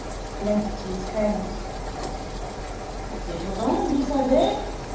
Lent it to his friend. _—C'est tordant, vous savez.